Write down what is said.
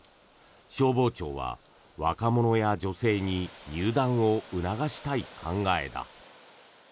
消防庁は若者や女性に入団を促したい考えだ。